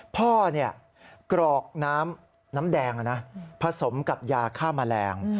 กรอกน้ำแดงผสมกับยาฆ่าแมลง